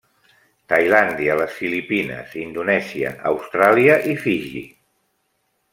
Tailàndia, les Filipines, Indonèsia, Austràlia i Fiji.